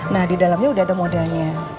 nah di dalamnya udah ada modanya